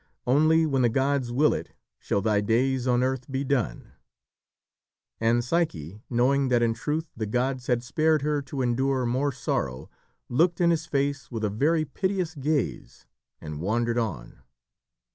Only when the gods will it shall thy days on earth be done." And Psyche, knowing that in truth the gods had spared her to endure more sorrow, looked in his face with a very piteous gaze, and wandered on.